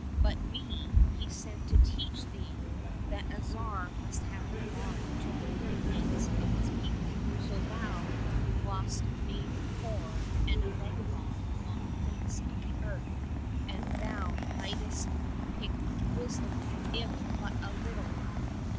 But me He sent to teach thee that a Tsar must have regard to the complaints of his people. So thou wast made poor and a vagabond on the face of the earth that thou mightst pick up wisdom, if but a little.